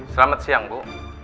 selamat siang bu